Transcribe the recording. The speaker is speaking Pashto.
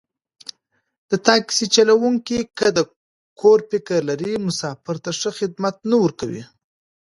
د تاکسي چلوونکی که د کور فکر لري، مسافر ته ښه خدمت نه ورکوي.